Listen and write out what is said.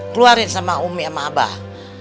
keluarin sama umi sama abah